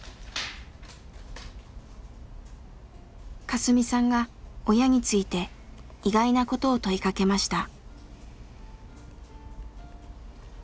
カスミさんが親について意外なことを問いかけました。